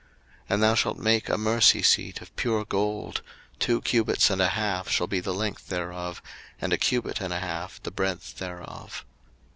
02:025:017 And thou shalt make a mercy seat of pure gold: two cubits and a half shall be the length thereof, and a cubit and a half the breadth thereof.